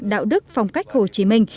đạo đức phong cách hồ chí minh